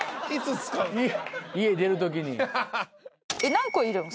何個いるの？